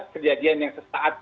kejadian yang sesaat